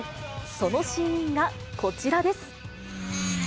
そのシーンがこちらです。